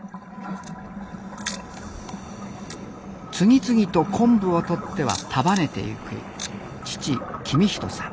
次々と昆布をとっては束ねてゆく父公人さん。